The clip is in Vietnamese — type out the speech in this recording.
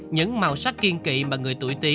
những màu sắc kiên kỵ mà người tuổi tí